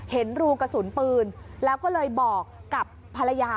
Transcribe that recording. เห็นรูกระสุนปืนแล้วก็เลยบอกกับภรรยา